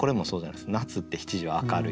夏って七時は明るいって。